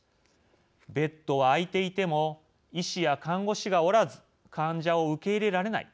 ベッドは空いていても医師や看護師がおらず患者を受け入れられない。